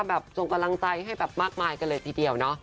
ส่งกำลังใจให้แบบมากมายกันเลยทีเดียวเนาะ